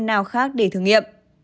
nào khác để thử nghiệm